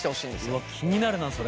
うわ気になるなそれ。